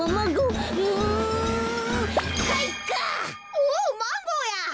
おおマンゴーや。